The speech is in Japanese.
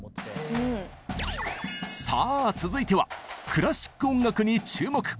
さあ続いてはクラシック音楽に注目。